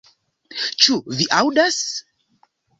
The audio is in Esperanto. Ĉu vi aŭdas?